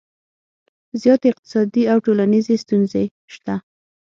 زیاتې اقتصادي او ټولنیزې ستونزې شته